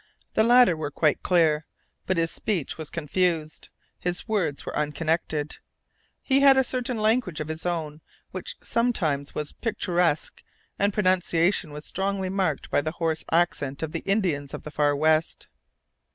The latter were quite clear, but his speech was confused, his words were unconnected. He had a certain language of his own which sometimes was picturesque, and his pronunciation was strongly marked by the hoarse accent of the Indians of the Far West.